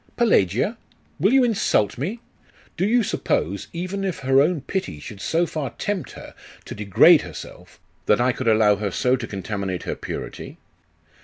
Pelagia! Will you insult me? Do you suppose, even if her own pity should so far tempt her to degrade herself, that I could allow her so to contaminate her purity?